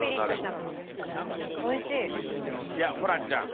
いやホランちゃん